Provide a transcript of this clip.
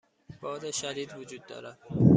باد شدید وجود دارد.